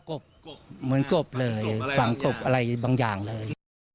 กบเหมือนกบเลยสั่งกบอะไรบางอย่างเลย